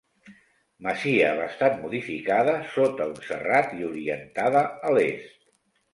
Masia bastant modificada sota un serrat i orientada a l'est.